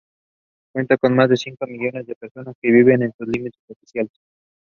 He was succeeded by his son Muhammad Adil Khan.